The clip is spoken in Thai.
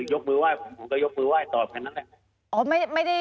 ยกมือไหว้ผมก็ยกมือไหว้ต่อแผ่นนั้นแหละ